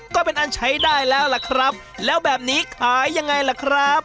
ก็เป็นอันใช้ได้แล้วล่ะครับแล้วแบบนี้ขายยังไงล่ะครับ